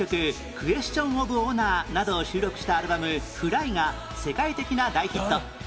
『クエスチョン・オブ・オナー』などを収録したアルバム『ＦＬＹ』が世界的な大ヒット